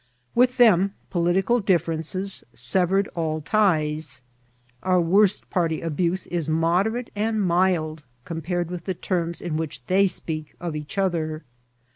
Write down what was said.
With them political diffiarences severed all ties. Our worst party abuse is moderate and mild compared with the terms in which they speak of each other.